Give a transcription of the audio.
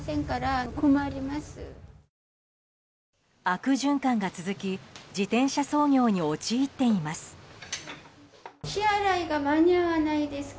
悪循環が続き自転車操業に陥っています。